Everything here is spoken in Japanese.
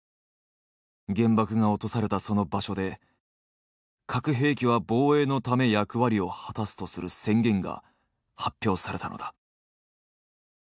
原爆が落とされたその場所で「核兵器は防衛のため役割を果たす」とする宣言が発表されたのだ。